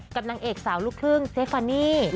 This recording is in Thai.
นางเอกสาวลูกครึ่งเจฟานี่